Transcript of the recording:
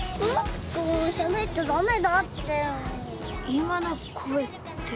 今の声って。